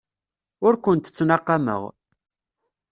Ur kent-ttnaqameɣ.